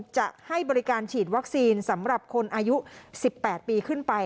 จะให้บริการฉีดวัคซีนสำหรับคนอายุ๑๘ปีขึ้นไป